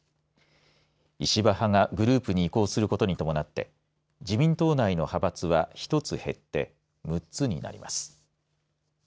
石破派が、グループに移行することに伴って自民党内の派閥は１つ減って６つになります。